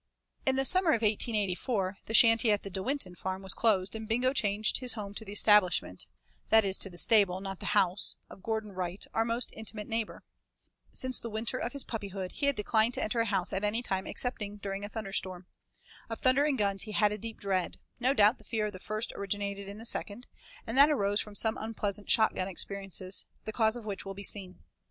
V In the autumn of 1884, the shanty at De Winton farm was closed and Bingo changed his home to the establishment that is, to the stable, not the house of Gordon Wright, our most intimate neighbor. Since the winter of his puppyhood he had declined to enter a house at any time excepting during a thunderstorm. Of thunder and guns he had a deep dread no doubt the fear of the first originated in the second, and that arose from some unpleasant shot gun experiences, the cause of which will be seen.